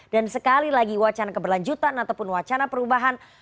dan sekali lagi wacana keberlanjutan ataupun wacana perubahan